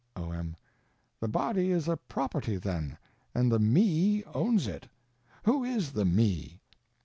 O.M. The body is a property then, and the Me owns it. Who is the Me?